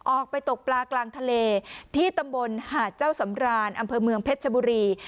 ออกไปตกปลากลางทะเลที่ตำบลหาดเจ้าสำรานอำเภอเมืองเพชรชบุรี